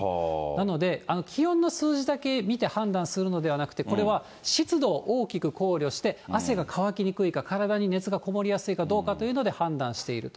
なので、気温の数字だけ見て判断するのではなくて、これは湿度を大きく考慮して、汗が乾きにくいか、体に熱がこもりやすいかどうかというので判断していると。